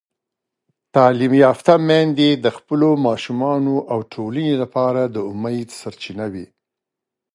تعلیم یافته میندې د خپلو ماشومانو او ټولنې لپاره د امید سرچینه وي.